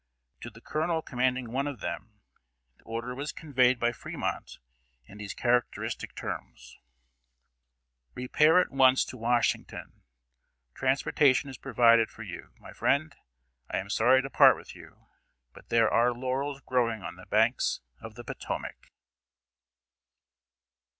To the colonel commanding one of them, the order was conveyed by Fremont in these characteristic terms: "Repair at once to Washington. Transportation is provided for you. My friend, I am sorry to part with you, but there are laurels growing on the banks of the Potomac."